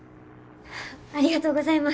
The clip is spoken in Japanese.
ありがとうございます！